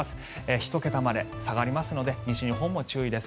１桁まで下がりますので西日本も注意です。